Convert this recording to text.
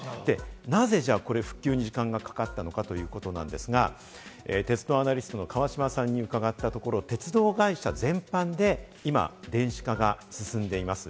なぜ復旧に時間がかかったのかということなんですが、鉄道アナリストの川島さんに伺ったところ鉄道会社全般で今、電子化が進んでいます。